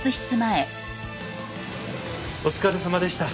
お疲れさまでした。